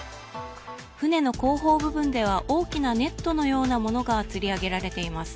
船の後方部分では大きなネットのようなものがつり上げられています。